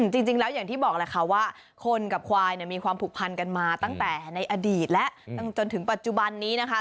จริงแล้วอย่างที่บอกแหละค่ะว่าคนกับควายมีความผูกพันกันมาตั้งแต่ในอดีตแล้วจนถึงปัจจุบันนี้นะคะ